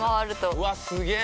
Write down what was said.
うわっすげえ！